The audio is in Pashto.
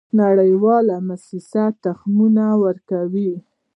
نړیوالې موسسې تخمونه ورکوي.